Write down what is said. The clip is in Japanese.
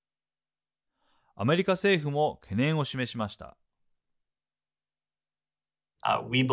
アメリカ政府も懸念を示しました。